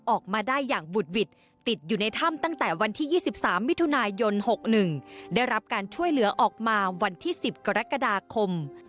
ออกมาได้อย่างบุดหวิดติดอยู่ในถ้ำตั้งแต่วันที่๒๓มิถุนายน๖๑ได้รับการช่วยเหลือออกมาวันที่๑๐กรกฎาคม